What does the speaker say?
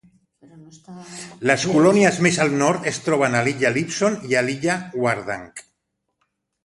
Les colònies més al nord es troben a l'illa Lipson i a l'illa Wardang.